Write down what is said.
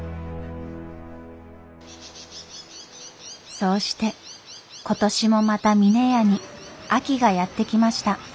そうして今年もまた峰屋に秋がやって来ました。